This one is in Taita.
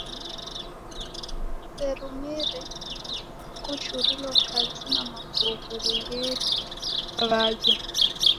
Kuserumire kuchurilo kazi na mafungu ni gheni ghaja.